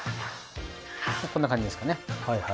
こんな感じですかね。